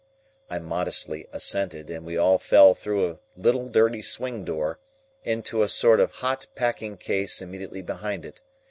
I modestly assented, and we all fell through a little dirty swing door, into a sort of hot packing case immediately behind it.